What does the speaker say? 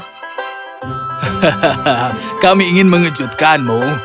hahaha kami ingin mengejutkanmu